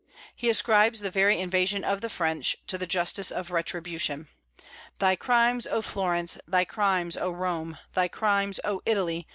He ascribes the very invasion of the French to the justice of retribution. "Thy crimes, O Florence! thy crimes, O Rome! thy crimes, O Italy!